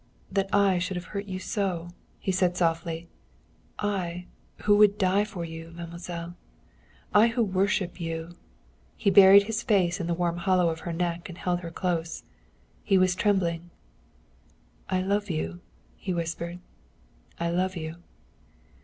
"That I should have hurt you so!" he said softly. "I, who would die for you, mademoiselle. I who worship you." He buried his face in the warm hollow of her neck and held her close. He was trembling. "I love you," he whispered. "I love you."